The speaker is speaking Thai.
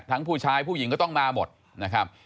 ผู้ชายผู้หญิงก็ต้องมาหมดนะครับ